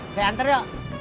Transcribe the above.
saya hantar yuk